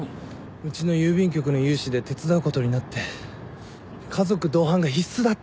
うちの郵便局の有志で手伝うことになって家族同伴が必須だって言われて。